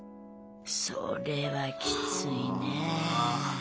それはきついね。